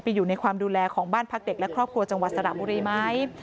อยู่ในความดูแลของบ้านพักเด็กและครอบครัวจังหวัดสระบุรีไหม